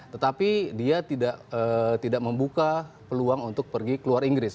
tetapi dia tidak membuka peluang untuk pergi keluar inggris